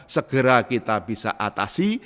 segera kita bisa atasi